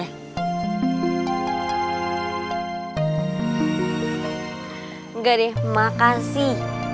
enggak deh makasih